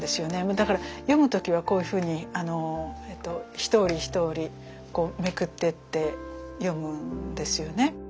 だから読む時はこういうふうに一折り一折りこうめくってって読むんですよね。